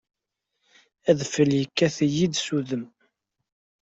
Adfel yekkat-iyi-d s udem.